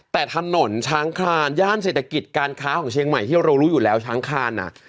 แต่ถนนช้างคลานย่านเศรษฐกิจการค้าของเชียงใหม่ที่เรารู้อยู่แล้วช้างคลานอ่ะ